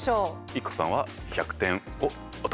ＩＫＫＯさんは１００点を獲得。